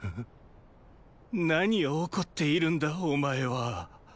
何を怒っているんだお前は。